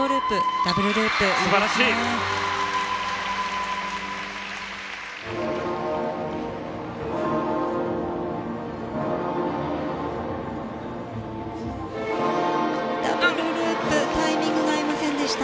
ダブルループタイミングが合いませんでした。